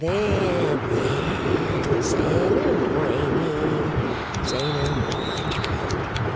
'There, there! Say no more, Amy, say no more, my child.